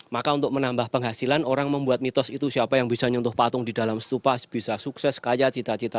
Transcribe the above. maka untuk menambah penghasilan orang membuat mitos itu siapa yang bisa nyentuh patung di dalam stupa bisa sukses kaya cita cita